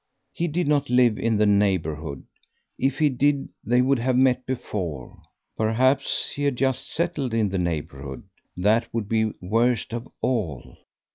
He did not live in the neighbourhood; if he did they would have met before. Perhaps he had just settled in the neighbourhood. That would be worst of all.